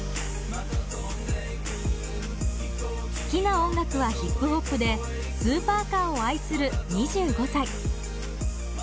好きな音楽はヒップホップでスーパーカーを愛する２５歳。